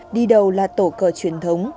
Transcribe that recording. đi đầu là tổ cờ truyền thống